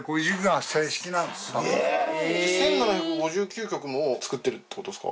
１，７５９曲も作ってるってことですか？